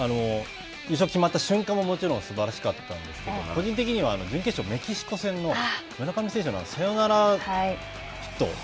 優勝決まった瞬間ももちろんすばらしかったんですけど個人的には準決勝、メキシコ戦の村上選手がサヨナラヒット。